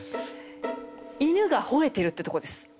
「犬が吠えてる」ってとこです。